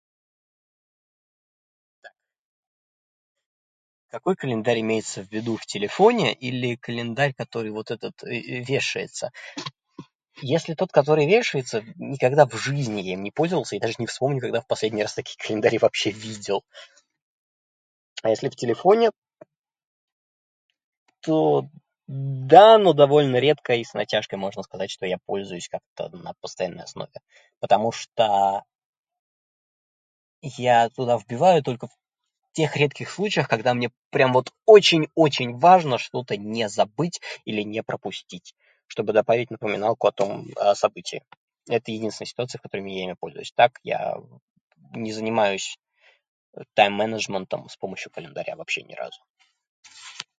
Так, какой календарь имеется в виду - в телефоне или календарь, который вот этот... вешается? Если тот, который вешается, — никогда в жизни я им не пользовался и даже не вспомню, когда в последний раз такие календари вообще видел. А если в телефоне... то да... но довольно редко и с натяжкой можно сказать, что я пользуюсь как-то на постоянной основе. Потому что... я туда вбиваю только в тех редких случаях, когда мне прямо вот очень-очень важно что-то не забыть или не пропустить, чтобы добавить напоминалку о том событии. Это единственная ситуация, когда я ими пользуюсь. Так я не занимаюсь тайм-менеджментом с помощью календаря — вообще ни разу.